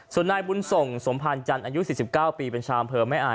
ส่วนนายบุญส่งสมภารจันทร์อายุ๔๙ปีเป็นชาวอำเภอแม่อาย